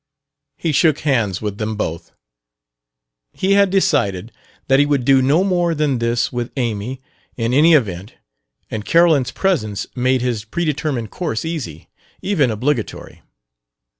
He shook hands with them both. He had decided that he would do no more than this with Amy, in any event, and Carolyn's presence made his predetermined course easy, even obligatory.